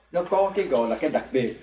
nó có cái gọi là cái đặc biệt